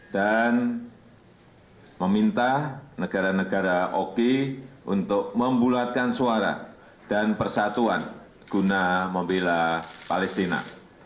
dan meminta negara negara oki untuk membulatkan suara dan persatuan guna membela palestina